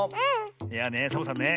いやねサボさんね